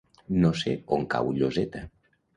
No sé on cau Lloseta.